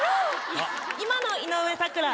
今の井上咲楽。